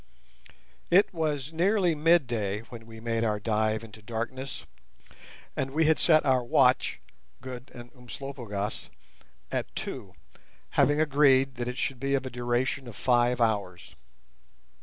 It was nearly midday when we made our dive into darkness, and we had set our watch (Good and Umslopogaas) at two, having agreed that it should be of a duration of five hours.